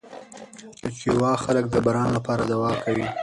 د چیواوا خلک د باران لپاره دعا کوي.